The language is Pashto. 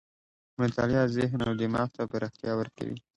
مطالعه ذهن او دماغ ته پراختیا ورکوي.